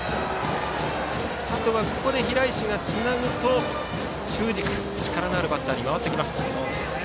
あとはここで平石がつなぐと中軸、力のあるバッターに回ってきます。